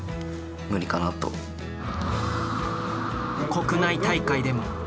国内大会でも。